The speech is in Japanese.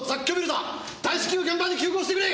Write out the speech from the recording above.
大至急現場に急行してくれ！